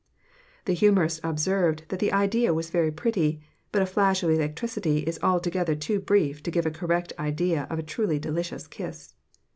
The humorist observed that the idea was very pretty, "but a flash of electricity is altogether too brief to give a correct idea of a truly delicious kiss."